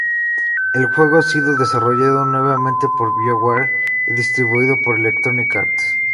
El juego ha sido desarrollado nuevamente por Bioware y distribuido por Electronic Arts.